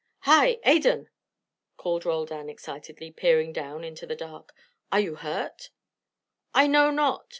"Hi, Adan!" called Roldan, excitedly, peering down into the dark. "Are you hurt?" "I know not!